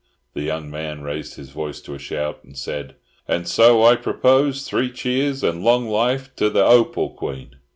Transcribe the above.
The young man raised his voice to a shout, and said— "And so I propose three cheers and long life to the Hopal Queen!"